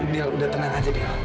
dil udah tenang aja dil